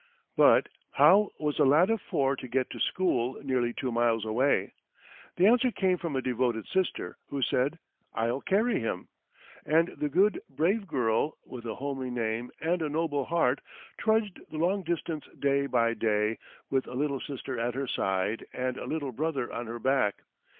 But how was a lad of four to get to school nearly two miles away. The answer came from a devoted sister, who said, "I'll carry him"; and the good, brave girl, with a homely name and a noble heart, trudged the long distance day by day, with a little sister at her side, and a little brother on her back.